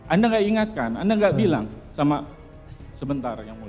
anda nggak ingatkan anda nggak bilang sama sebentar yang mulia